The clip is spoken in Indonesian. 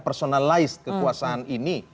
personalize kekuasaan ini